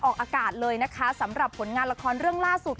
ออกอากาศเลยนะคะสำหรับผลงานละครเรื่องล่าสุด